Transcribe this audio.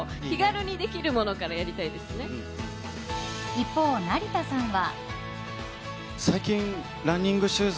一方、成田さんは。